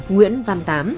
nguyễn văn tám